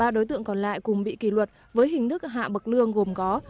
ba đối tượng còn lại cùng bị kỷ luật với hình thức hạ bậc lương gồm có